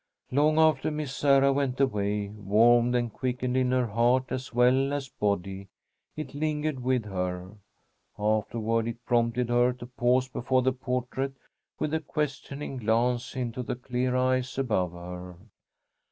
Long after Miss Sarah went away, warmed and quickened in heart as well as body, it lingered with her. Afterward it prompted her to pause before the portrait with a questioning glance into the clear eyes above her.